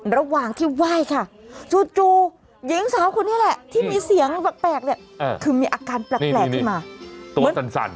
ระหว่างที่ไหว้ครับจู๋หญิงสาวคนนี้แหละที่มีเสียงแปลกคืออาการแปลกที่มา